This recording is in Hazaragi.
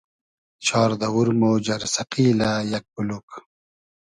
چار دئوور مۉ جئرسئقیلۂ یئگ بولوگ